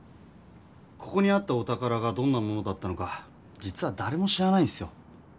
ここにあったお宝がどんなものだったのか実はだれも知らないんすよ。